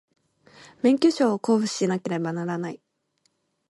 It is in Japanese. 免許証を交付しなければならない